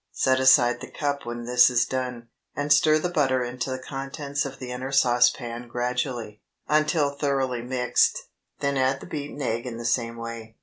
Set aside the cup when this is done, and stir the butter into the contents of the inner saucepan gradually, until thoroughly mixed, then add the beaten egg in the same way.